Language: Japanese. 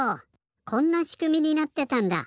こんなしくみになってたんだ！